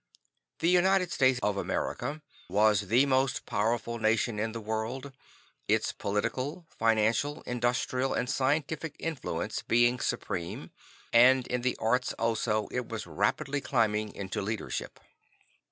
The United States of America was the most powerful nation in the world, its political, financial, industrial and scientific influence being supreme; and in the arts also it was rapidly climbing into leadership.